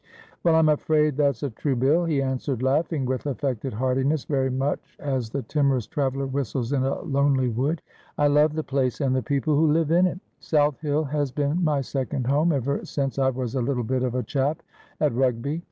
' Well, I'm afraid that's a true bill,' he answered, laughing with affected heartiness, very much as the timorous traveller whistles in a lonely wood. ' I love the place, and the people who live in it. South Hill has been my second home ever since I was a little bit of a chap at Rugby.